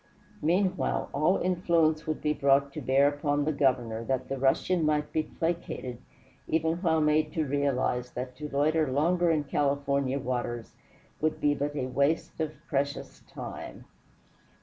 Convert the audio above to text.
Meanwhile, all influence would be brought to bear upon the Governor that the Russian might be placated even while made to realize that to loiter longer in California waters would be but a waste of precious time.